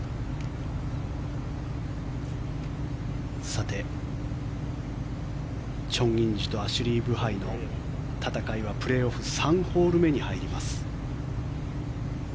さて、チョン・インジとアシュリー・ブハイの戦いはプレーオフ３ホール目に入ります。